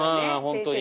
本当に。